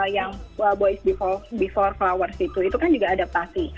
yang boys before flowers itu itu kan juga adaptasi